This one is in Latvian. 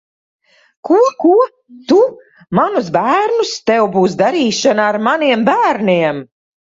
Ko, ko? Tu manus bērnus? Tev būs darīšana ar maniem bērniem!